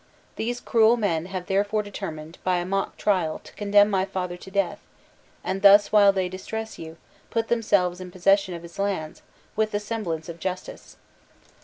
These cruel men have therefore determined, by a mock trial, to condemn my father to death, and thus, while they distress you, put themselves in possession of his lands, with the semblance of justice.